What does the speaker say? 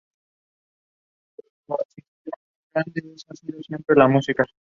Tiene fachadas curvas en dos lados.